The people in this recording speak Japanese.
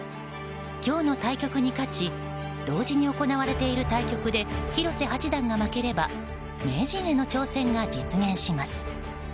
今日の対局に勝ち同時に行われている対局で広瀬八段が負ければ名人への挑戦が実現します。